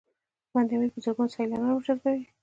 بند امیر په زرګونه سیلانیان ورجذبوي